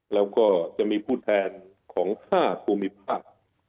แล้วก็จะมีผู้แทนของ๕ภูมิภาค